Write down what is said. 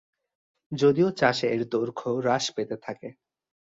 যদিও চাষে এর দৈর্ঘ্য হ্রাস পেতে থাকে।